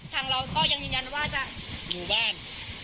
ทางเราก็ยังยืนยันว่าจะมีแรง